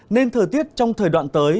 nên thời tiết trong thời đoạn tới